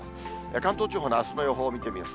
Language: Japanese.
関東地方のあすの予報を見てみます。